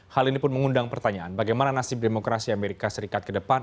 hal ini pun mengundang pertanyaan bagaimana nasib demokrasi amerika serikat ke depan